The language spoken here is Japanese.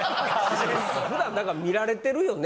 普段見られてるよね。